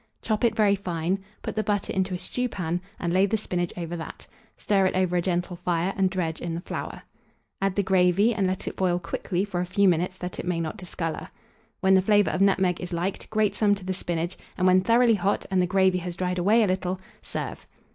Chop it very fine, put the butter into a stewpan, and lay the spinach over that; stir it over a gentle fire, and dredge in the flour. Add the gravy, and let it boil quickly for a few minutes, that it may not discolour. When the flavour of nutmeg is liked, grate some to the spinach, and when thoroughly hot, and the gravy has dried away a little, serve.